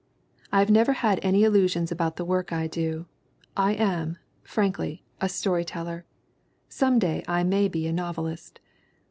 "I have never had any illusions about the work I do. I am, frankly, a story teller. Some day I may be a novelist.